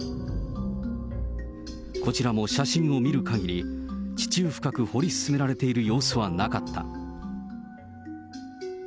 こちらも写真を見るかぎり、地中深く掘り進められている様子はなかった。